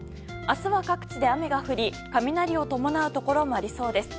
明日は各地で雨が降り雷を伴うところもありそうです。